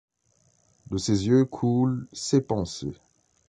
De ses yeux coulent ses pensées.